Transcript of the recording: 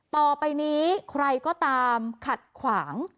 ต่อไปนี้ใครก็ตามขัดขวาง